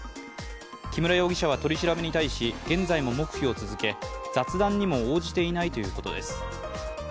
木村容疑者は取り調べに対し、現在も黙秘を続け雑談にも応じていないということです。